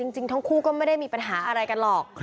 จริงทั้งคู่ก็ไม่ได้มีปัญหาอะไรกันหรอก